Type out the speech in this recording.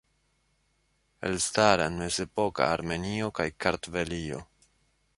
Elstara en mezepoka Armenio kaj Kartvelio.